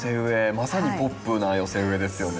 まさにポップな寄せ植えですよね。